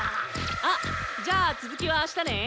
あっじゃあ続きはあしたね！